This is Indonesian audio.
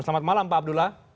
selamat malam pak abdullah